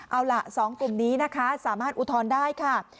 เอาล่ะ๒กลุ่มนี้นะคะสามารถอุทธรณ์ได้ค่ะ